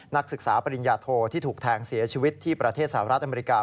นักศึกษาปริญญาโทที่ถูกแทงเสียชีวิตที่ประเทศสหรัฐอเมริกา